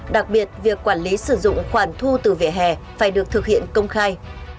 đặc biệt việc quản lý sử dụng khoản thu từ vỉa hè phải được thực hiện công khai